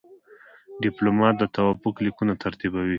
ډيپلومات د توافق لیکونه ترتیبوي.